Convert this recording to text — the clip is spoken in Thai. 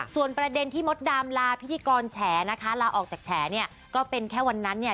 ส่วนประเด็นที่มดดำลาพิธีกรแฉนะคะลาออกจากแฉเนี่ยก็เป็นแค่วันนั้นเนี่ย